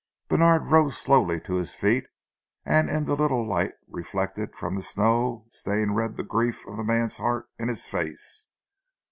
Bènard rose slowly to his feet, and in the little light reflected from the snow Stane read the grief of the man's heart in his face.